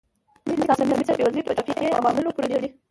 ځینې کسان د مصر بېوزلي په جغرافیايي عواملو پورې تړي.